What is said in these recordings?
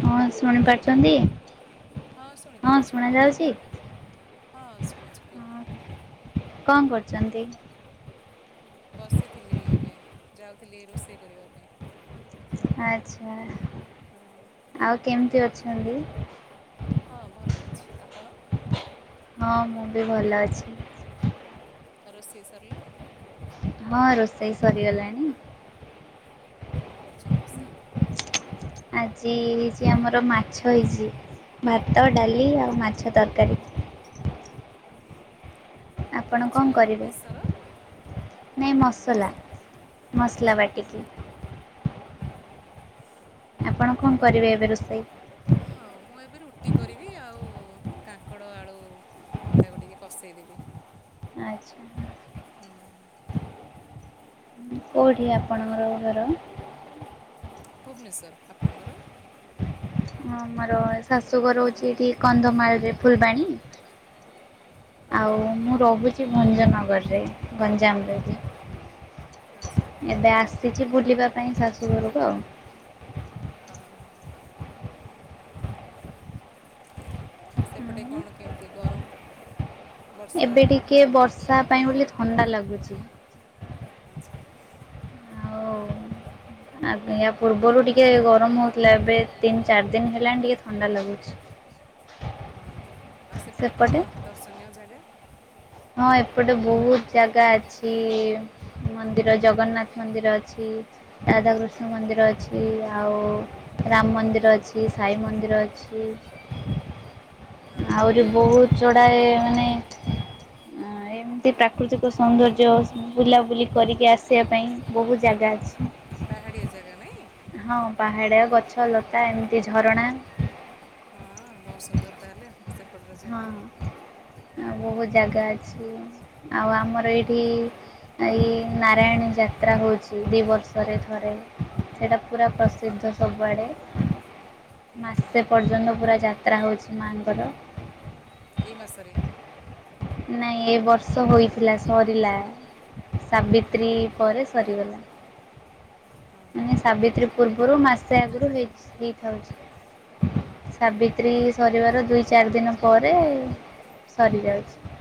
ହଁ ଶୁଣି ପାରୁଛନ୍ତି ହଁ ଶୁଣା ଯାଉଛି। ହଁ ଶୁଣୁଛି କୁହନ୍ତୁ। କଣ କରୁଛନ୍ତି? ବସିଥିଲି ଏବେ ଯାଉଥିଲି ରୋଷେଇ କରିବା ପାଇଁ। ଆଚ୍ଛା ଆଉ କେମିତି ଅଛନ୍ତି? ହଁ ଭଲ ଅଛି ଆପଣ? ହଁ ମୁଁ ବି ଭଲ ଅଛି। ଆଉ ରୋଷେଇ ସରିଲାଣି? ହଁ ରୋଷେଇ ସରିଗଲାଣି। କଣ କରୁଛନ୍ତି ରୋଷେଇ? ଆଜି ହେଇଛି ଆମର ମାଛ ହେଇଛି। ଭାତ ଡାଲି ଆଉ ମାଛ ତରକାରୀ। ଆ ମାଛ କଣ ବେସର? ନାଇଁ ମସଲା ମସଲା ବାଟିକି। ହଁ ହଁ ହଁ। ଆପଣ କଣ କରିବେ ଏବେ ରୋଷେଇ? ହଁ ମୁଁ ଏବେ ରୁଟି କରିବି ଆଉ କାଙ୍କଡ ଆଳୁ ତାକୁ ଟିକେ କଷେଇ ଦେବି। ଆଚ୍ଛା। ହୁଁ। କେଉଠି ଆପଣଙ୍କର ଘର? ଭୁବନେସ୍ୱର ଆପଣଙ୍କର? ହ ଆମର ଶାଶୁଘର ହଉଛି ଏଠି କନ୍ଧମାଳରେ ଫୁଲବାଣୀ ଆଉ ମୁଁ ରହୁଛି ଭଞ୍ଜନଗରରେ ଗଞ୍ଜାମରେ। ଏବେ ଆସିଛି ବୁଲିବା ପାଇଁ ଶାଶୁଘରକୁ ଆଉ। ସେପଡ଼େ କଣ କେମିତି ଗରମ? ଏବେ ଟିକେ ବର୍ଷା ପାଇଁ ବୋଲି ଥଣ୍ଡା ଲାଗୁଛି। ଆ ପୂର୍ବରୁ ଟିକେ ଗରମ ହେଉଥିଲା ଏବେ ତିନି ଚାରି ଦିନ ହେଲାଣି ଟିକିେ ଥଣ୍ଡା ଲାଗୁଛି। ହଁ। ଆଉ ସେପଟେ କ ଣ ଦର୍ଶନୀୟ ଜାଗା? ହଁ ଏପଟେ ବହୁତ ଜାଗା ଅଛି ଜଗନ୍ନାଥ ମନ୍ଦିର ଅଛି ରାଧାକୃଷ୍ଣ ମନ୍ଦିର ଅଛି ଆଉ ରାମ ମନ୍ଦିର ଅଛି ସାଇ ମନ୍ଦିର ଅଛି। ଆହୁରି ବହୁତ ଚଡାଏ ମାନେ ଏ ଏ ପ୍ରାକୃତିକ ସୌନ୍ଦର୍ଯ୍ୟ ବୁଲାବୁଲି କରିକି ଆସିବା ପାଇଁ ବହୁତ ଜାଗା ଅଛି। ପାଡ଼ିଆ ଜାଗା ନାହିଁ। ହଁ ପାହାଡ଼ ଗଛ ଲତା ଏମିତି ଝରଣା। ହଁ ବହୁତ ସୁନ୍ଦର ତାହେଲେ ଆଉ ସେ ହଁ ଆ ବହୁତ ଜାଗା ଅଛି ଆଉ ଆମର ଏଠି ଏଇ ନାରାୟଣ ଯାତ୍ରା ହୋଉଛି ଦିଇ ବର୍ଷରେ ଥରେ। ସେଇଟା ପୁରା ପ୍ରସିଦ୍ଧ ସବୁଆଡ଼େ ମାସେ ପର୍ଯ୍ୟନ୍ତ ପୁରା ଯାତ୍ରା ହୋଉଚି ମାଆଙ୍କର। ଏଇ ମାସରେ ଏ ବର୍ଷ ହୋଇଥିଲା ସରିଲା। ସାବିତ୍ରୀ ପରେ ସରିଗଲା। ମାନେ ସାବିତ୍ରୀ ପୂର୍ବରୁ ମାସେ ଆଗରୁ ହେଇ ହେଇଥାଉଚି। ହଁ ସାବିତ୍ରୀ ସରିବାର ଦୁଇ ଚାରି ଦିନ ପରେ ସରି ଯାଉଛି।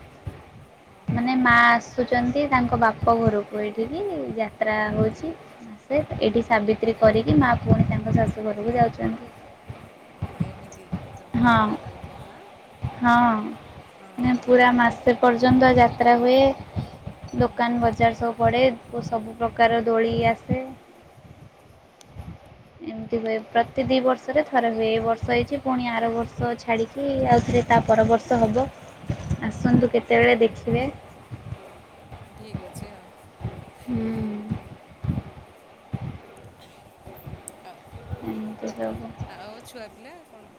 ହଁ। ମାନେ ମା ଆସୁଛନ୍ତି ତାଙ୍କ ବାପ ଘରକୁ ଏଇଠିକି ଯାତ୍ରା ହେଉଚି ମାସେ ଏଇଠି ସାବିତ୍ରୀ କରିକି ମା ପୁଣି ତାଙ୍କ ଶାଶୁ ଘରକୁ ଯାଉଛନ୍ତି। ଓହୋ ଏମିତି ତାଲେ ବହୁତ ବଢିଆ ଲାଗୁଥିବ ନା ହଁ। ସେ ପର୍ଯ୍ୟନ୍ତ ଯାତ୍ରା ହୁଏ। ଦୋକାନ ବଜାର ସବୁ ପଡେ ସବୁ ପ୍ରକାର ଦୋଳି ଆସେ। ଏମିତି ହୁଏ ପ୍ରତି ଦିଇ ବର୍ଷରେ ଥରେ ହୁଏ ଏଇ ବର୍ଷ ହେଇଛି ପୁଣି ଆର ବର୍ଷ ଛାଡିକି ଆଉ ରେ ତା ପର ବର୍ଷ ହେବ ଆସନ୍ତୁ କେତେବେଳେ ଦେଖିବେ। ଠିକ ଅଛି ଆଉ। ଆଉ ଆଉ ଛୁଆ ପିଲା କଣ?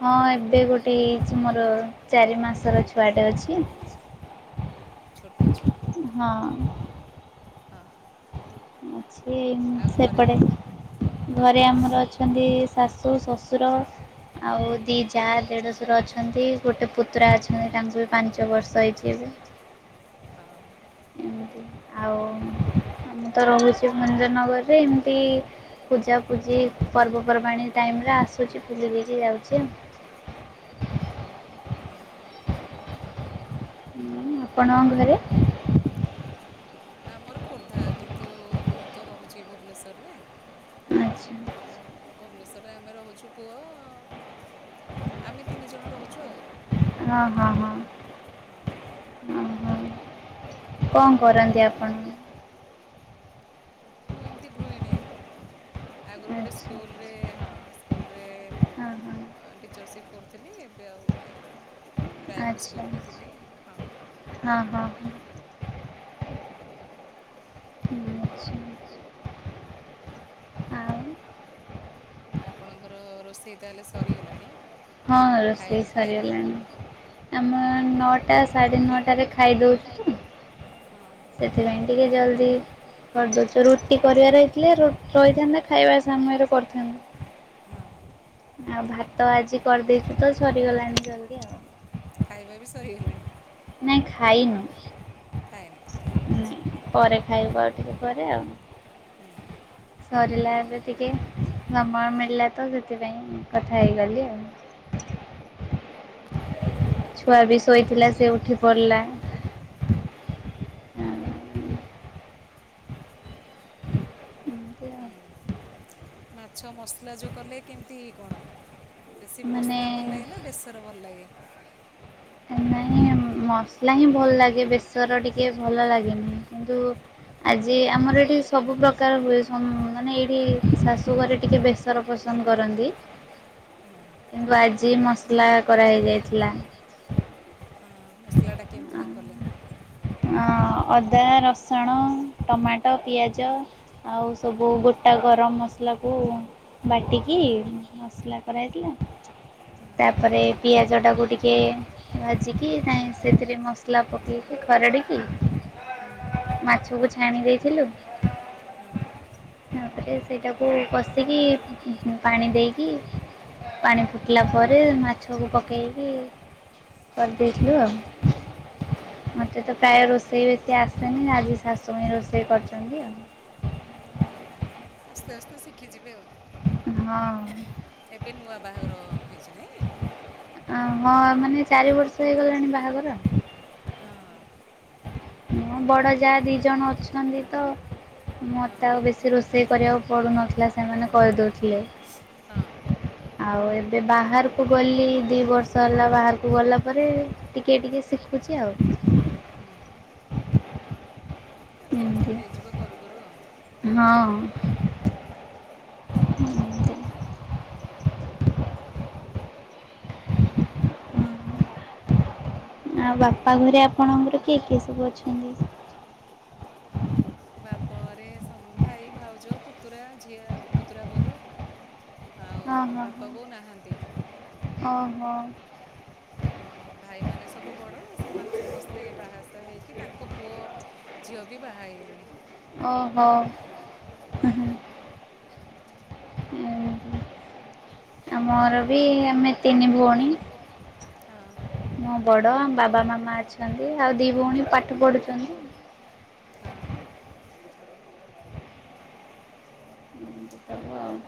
ହଁ ଏବେ ଗୋଟେ ହେଇଛି ମୋର ଚାରି ମାସର ଛୁଆଟେ ଅଛି। ଛୋଟ ଛୁଆ ହଁ। ସିଏମ୍ ସେପଟେ ଘରେ ଆମର ଅଛନ୍ତି ଶାଶୁ ଶ୍ୱଶୁର ଆଉ ଦିଇ ଯା ଦେଢ଼ଶୁର ଅଛନ୍ତି। ଗୋଟେ ପୁତ୍ରା ଅଛନ୍ତି ତାଙ୍କୁ ବି ପାଞ୍ଚ ବର୍ଷ ହେଇଛି ଏବେ ହଁ। ଏମିତି ଆଉ ତ ରହୁଛି ଭଞ୍ଜନଗରରେ ଏମିତି ପୂଜାପୂଜି ପର୍ବପର୍ବାଣିୀ ଟାଇମରେ ଆସ ପୂଜି ପୂଜି ଦେଇକି ଯାଉଚି ଆଉ ହୁଁ। ଆପଣଙ୍କ ଘରେ? ଆମର ଖୋର୍ଦ୍ଧା କିନ୍ତୁ ମୁଁ ତ ରହୁଛି ଭୁବନେଶ୍ଵରରେ। ଆଛା। ରେ ଆମେ ରୋହୁଛୁ ପୁଅ ଆମେ ତିନି ଜଣ ରହୁଛୁ ଆଉ ଆମ ଫାମିଲି ଆଉ ହଁ। କଣ କରନ୍ତି ଆପଣ? ମୁଁ ଏମିତି ଗୃହିଣୀ। ଆଗରୁ ଗୋଟେ ସ୍କୁଲରେ ହଁ ସ୍କୁଲରେ ଟିଚରଶିପ୍ କରୁ ଥିଲି ଏବେ ଆଉ ନାହିଁ। ପ୍ରାଇଭେଟ୍ ସ୍କୁଲରେ ଥିଲି ହଁ। ଆଛା। ଆଉ? ଆପଣଙ୍କର ରୋଷେଇ ତାହେଲେ ସରିଗଲାଣି? ହଁ ରୋଷେଇ ସରିଗଲାଣି। ଆମ ନଅଟା ସାଢ଼େ ନଅଟାରେ ଖାଇଦଉଚୁ ତ ସେଥିପାଇଁ ଟିକେ ଜଲଦି ଭାଜକୁ ରୁଟି କରିବାର ହେଇଥିଲେ ରହିଥାନ୍ତା ଖାଇବା ସମୟରେ କରିଥାନ୍ତା ଆଉ ଭାତ ଆଜି କରିଦେଇଚୁ ତ ସରିଗଲାଣି ଜଲଦି ଆଉ। ଖାଇବା ବି ସରିଗଲାଣି? ନାାଇଁ ଖାଇନୁ। ହଁ ପରେ ଖାଇବ ଆଉ ଟିକେ ପରେ ଆଉ ସରିଲା ଏବେ ଟିକେ ମାମା ଆଉ ମ୍ ପା ତ ସେଥିପାଇଁ କଥା ହେଇଗଲି ଆଉ। ଛୁଆ ବି ଶୋଇଥିଲା ସେ ଉଠି ପଡିଲା। ସେମିତି ଆଉ ମାଛ ମସଲା ଜୋ କଲେ କେମିତି କଣ? ବେଶୀ ମସଲା ଭଲ ଲାଗେ ନା ବେସର ଭଲ ଲାଗେ? ଏ [inaudible] ମସଲା ହିଁ ଭଲ ଲାଗେ, ବେଶର ଟିକେ ଭଲ ଲାଗେନି। କିନ୍ତୁ ଆଜି ଆମର ଏଠି ସବୁ ପ୍ରକାର ହୁଏ ସମ୍ ମାନେ ଏଇଠି ଶାଶୁ ଘରେ ଟିକେ ବେସର ପ ସନ୍ଦ କରନ୍ତି। [inaudible] କିନ୍ତୁ ଆଜି ମସଲା କରାହଇ ଯାଇଥିଲା। ହଁ ମସଲା ଟା କେମିତି କଣ କଲେ? ହଁ ଅଦା, ରସୁଣ, ଟମାଟୋ, ପିଆଜ ଆଉ ସବୁ ଗୋଟେ ଅଟା ଗରମ ମସଲାକୁ ବାଟିକି ମସଲା କରାଇଥିଲା। ତାପରେ ପିଆଜଟାକୁ ଟିକେ ଭାଜିକି ସେଥିରେ ମସଲା ପକେଇକି ଘରଡିକି ମାଛକୁ ଛାଣି ଦେଇଥିଲୁ। ତାପରେ ସେଇଟାକୁ କଷିକି ପାଣି ଦେଇକି ପାଣି ଫୁଟିଲା ପରେ ମାଛକୁ ପକେଇକି କରି ଦେଇଥିଲୁ ଆଉ। ମତେ ତ ପ୍ରାୟ ରୋଷେଇ ବେଶୀ ଆସେନି ଆଜି ଶାଶୁମା ହିଁ ରୋଷେଇ କରିଛନ୍ତି ଆଉ। ହଁ ହଁ ଆ ଶିଖିଯିବେ ଆଉ ଏବେ। ନୂଆ ବାହାଘର ହେଇଛି ନାଇଁ? ଆ ମୋ ମାନେ ଚାରି ବର୍ଷ ହେଇଗଲାଣି ବାହାଘର। ହଁ। ହଁ ବଡ଼ ଯା ଦି ଜଣ ଅଛନ୍ତି ତ। ମୋତେ ଆଉ ବେଶୀ ରୋଷେଇ କରିବାକୁ ପଡୁନଥିଲା, ସେମାନେ କରିଦଉଥିଲେ। ଆଉ ଏବେ ବାହାରକୁ ଗଲି ଦି ବର୍ଷ ହେଲା, ବାହାରକୁ ଗଲା ପରେ ଟିକେ ଟିକେ ଶିଖ ଶିଖୁଚି ଆଉ। ଆସ୍ତେ ଆସ୍ତେ ହେଇଯିବ କରୁ କରୁ ଆଉ। ହଁ। ଆଉ ବାପା ଘରେ ଆପଣଙ୍କର କିଏ କିଏ ସବୁ ଅଛନ୍ତି? ଉ ଘରେ ସମ୍ ଭାଇ, ଭାଉଜ, ପୁତୁରା ଝିଅ, ପୁତୁରା ବୋହୂ। ଆଉ ବାପା ବୋଉ ନାହାନ୍ତି। ଓ ହୋ ହଁ ଭାଇ ମାନେ ସବୁ ବଡ଼ ସେମାନେ ସମସ୍ତେ ବାହାସାହା ହେଇକି ତାଙ୍କ ପୁଅ ଝିଅ ବି ବାହା ହେଇଗଲେଣି। ମୋର ବି ଆମେ ତିନି ଭଉଣୀ। ମୋ ବଡ ଆମ ବାବା ମାମା ଅଛନ୍ତି ଆଉ ଦି ଭଉଣୀ ପାଠ ପଢୁଚନ୍ତି। ହଁ। ଏମିତି ସବୁ ଆଉ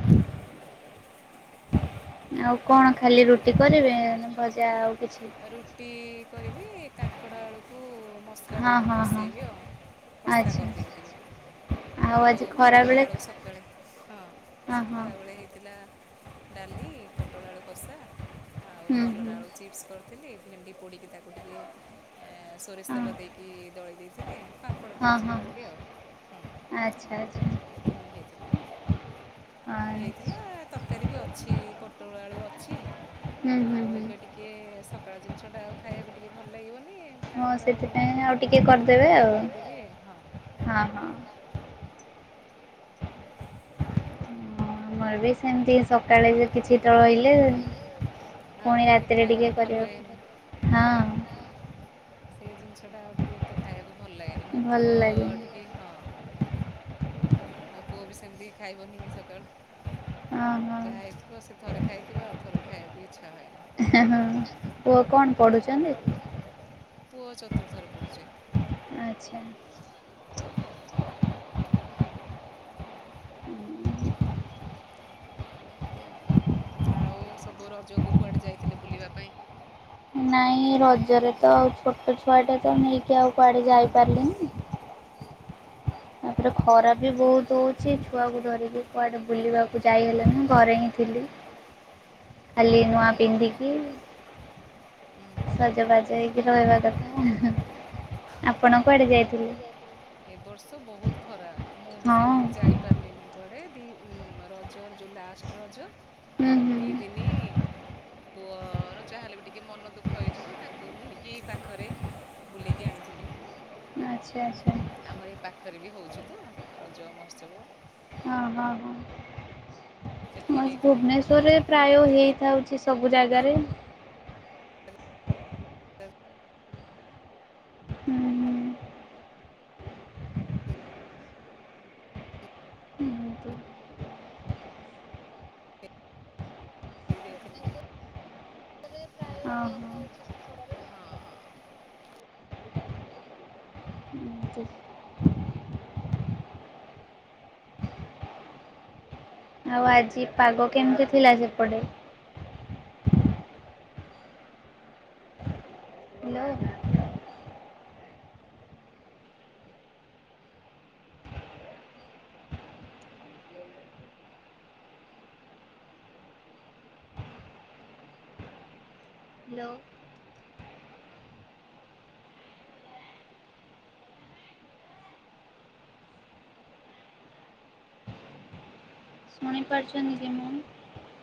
ହୁଁ ଆଉ କଣ ଖାଲି ରୁଟି କରିବେ,, ଭଜା ଆଉ କିଛି? କରିବି କାଙ୍କଡ଼ ଆଳୁକୁ, ମସଲା ଦେଇକି କଷେଇବି, ଆଉ କଷା କରିଦେବି ଟିକେ। ଆଉ ପୋଟଳ ଆଳୁ ସକାଳେ ହଁ ଖରା ବେଳେ ହେଇଥିଲା। ଡାଲି, ପୋଟଳ ଆଳୁ କଷା ଆଉ, କଲରା ଆଳୁ ଚିପ୍ସ କରିଥିଲି। କରିଥିଲି ଭେଣ୍ଡି ପୋଡ଼ିକି, ତାକୁ ଟିକିଏ ସୋରିଷ ତେଲ ଦେଇକି ଦଳି ଦେଇଥିଲେ। ପାମ୍ପଡ଼ ଟିକେ ଛାଣିଥିଲି ଆଉ ହଁ ଏତିକି ହେଇଥିଲା। ଏମିତି ହେଇଥିଲା ତରକାରୀ, ବି ଅଛି ପୋଟଳ ଆଳୁ ଅଛି। ଆଉ ଏବେ ଟିକେ ସକାଳ ଜିନିଷଟା, ଆଉ ଖାଇବାକୁ ଟିକେ ଭଲ ଲାଗିବନି। କାଙ୍କଡ ଆଳୁ କରିଦେବି ଆଉ ହଁ। ହଁ ଆମର ବି ସେମିତି ସକାଳେ ଯେ କିଛି ତ ରହିଲେ, ପୁଣି ରାତିରେ ଟିକେ କରିବାକୁ ପଡ଼ିବ ହଁ। ସେଇ ଜିନିଷ ଟା ଆଉ ଟିକେ ଏତେ ଖାଇବାକୁ ଭଲ ଲାଗେନି। ମୋ ପୁଅ ଟିକେ ହଁ ଆ ମୋ ପୁଅ ବି ସେମିତି ଖାଇବନି ସକାଳୁ ଯାହା ହେଇଥିବ ସେ ଥରେ ଖାଇଥିବ, ଆଉ ଥରକୁ ଖାଇବାକୁ ଇଚ୍ଛା ଇଚ୍ଛା ହୁଏ ନା। ଆଉ କଣ ପଢୁଛନ୍ତି? ପୁଅ ଚତୁର୍ଥରେ ପଢୁଛି। ଆଚ୍ଛା। ଆଉ ସବୁ ରଜକୁ କୁଆଡ଼େ ଯାଇଥିଲେ ବୁଲିବା ପାଇଁ? ନାଇଁ ର ନିଜର ତ ଆଉ ଛୋଟ ଛୁଆଟେ ତ ନେଇକି ଆଉ କୁଆଡ଼େ ଯାଇପାରିଲିନି। ତାପରେ ଖରାପ ବି ବହୁତ ହଉଛି ଛୁଆକୁ ଧରିକି, କୁଆଡ଼େ ବୁଲିବାକୁ ଯାଇ ହେଲାନି ଘରେ ହିଁ ଥିଲି। ହଁ ଖାଲି ନୂଆ ପିନ୍ଧିକି ସଜବାଜ ହେଇକି ରହିବା କଥା ଆପଣ କୁଆଡ଼େ ଯାଇଥିଲେ? ଖରା ମୁଁ ବି ସେମିତି ଯାଇପାରିଲିନି କୁଆଡ଼େ ଦି ରଜର ଯେଉଁ ଲାଷ୍ଟ ରଜ ଦି ଦିିନି ପୁଅର ଯାହାହେଲେ ବି ଟିକେ ମନ ଦୁଃଖ ହେଇଯିବ, ତାକୁ ନେଇକି ପାଖରେ ବୁଲେଇକି ଆଣିଥିଲି। ଆଚ୍ଛା ଆଚ୍ଛା। ଅଛି ତ ରଜ ମହୋତ୍ସବ। ହଁ ହ ହ ଭୁବନେଶ୍ଵରରେ ପ୍ରାୟ ହେଇଥାଉଛି। ସବୁ ଜାଗାରେ ହ ହୁଁ ହୁଁ। [unintelligible] ପ୍ରାୟ ଯାଉଛି [unintelligible] [unintelligible] ଆଉ ଆଜି ପାଗ କେମିତି ଥିଲା ସେପଟେ? ହାଲୋ। [unintelligible] ମଣିପାର୍ଜୁନ [unintelligible]